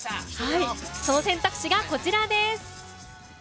その選択肢がこちらです。